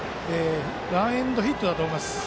ランエンドヒットだと思います。